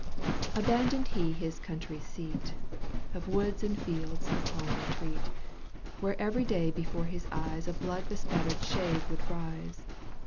Abandoned he his country seat. Of woods and fields the calm retreat. Where every day before his eyes A blood bespattered shade would rise.